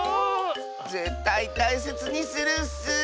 ぜったいたいせつにするッス！